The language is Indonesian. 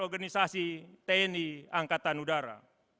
organisasi tni angkatan udara